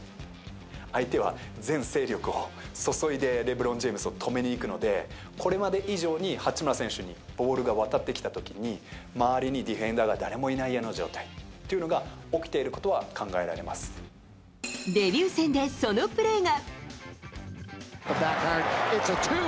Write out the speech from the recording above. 相手は全勢力を注いでレブロン・ジェームズを止めにいくので、これまで以上に八村選手にボールが渡ってきたときに、周りにディフェンダーが誰もいない状態っていうのが起きているこデビュー戦でそのプレーが。